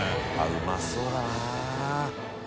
うまそうだな。